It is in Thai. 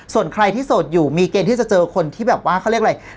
ส่วนใครที่โสดอยู่มีเกณฑ์ที่จะเจอคนที่แบบว่าเขาเรียกอะไร